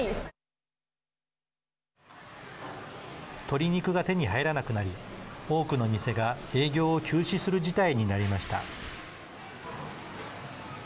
鶏肉が手に入らなくなり多くの店が営業を休止する事態になりました。